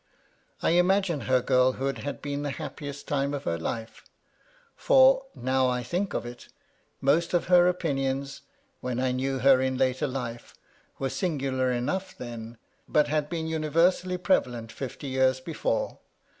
I imagine her girlhood had been the happiest time of her life; for, now I think of it, most of her opinions, when I knew her in later life, were singular enough then, but had been MY LADY LUDLOW. 29 universally prevalent fifty years before.